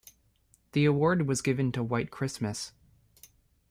The award was given to "White Christmas".